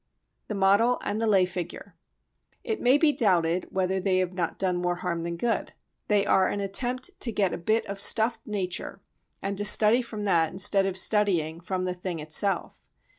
The Model and the Lay Figure It may be doubted whether they have not done more harm than good. They are an attempt to get a bit of stuffed nature and to study from that instead of studying from the thing itself.